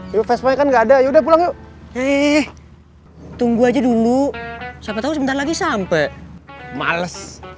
itu facebook enggak ada udah pulang yuk eh tunggu aja dulu sampai lagi sampai males